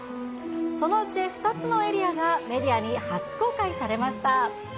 そのうち２つのエリアがメディアに初公開されました。